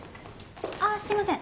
あすいません。